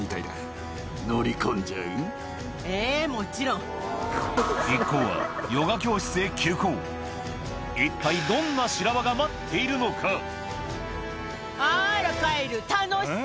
一行は一体どんな修羅場が待っているのか？